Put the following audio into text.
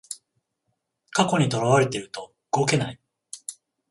過去にとらわれてると動けない